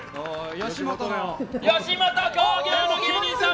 吉本興業の芸人さん。